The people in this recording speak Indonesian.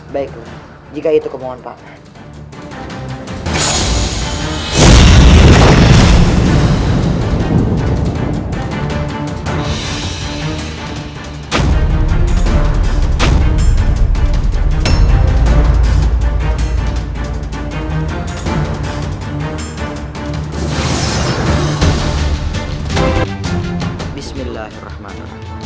baik jika itu kemohon paham